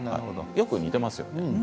よく似ていますよね。